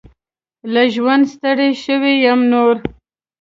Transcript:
له ژونده ستړي شوي يم نور .